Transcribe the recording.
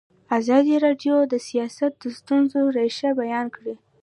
ازادي راډیو د سیاست د ستونزو رېښه بیان کړې.